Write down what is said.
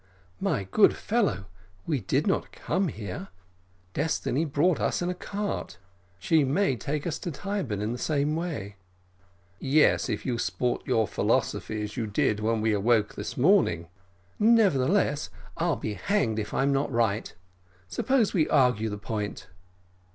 "My good fellow, we did not come here. Destiny brought us in a cart. She may take us to Tyburn in the same way." "Yes, if you sport your philosophy as you did when we awoke this morning." "Nevertheless, I'll be hanged if I'm not right. Suppose we argue the point?"